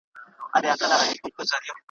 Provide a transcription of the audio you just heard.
دربار به نه وای په حجرو کي `